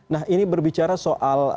nah ini berbicara soal